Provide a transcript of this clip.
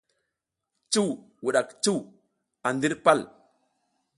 Cuw wuɗak cuw a ndir pal.